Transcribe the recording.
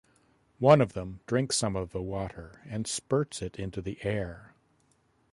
One of them drinks some of the water and spurts it into the air.